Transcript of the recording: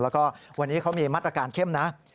แล้วก็วันนี้เขามีมาตรการเข้มนะ